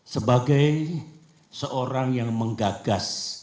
sebagai seorang yang menggagas